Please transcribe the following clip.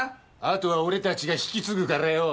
あとは俺たちが引き継ぐからよ。